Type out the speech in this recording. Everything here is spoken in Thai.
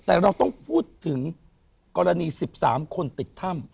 แต่เราต้องพูดถึงกรณี๑๓คนติดถ้ำ